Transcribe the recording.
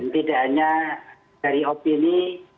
tidak hanya dari opini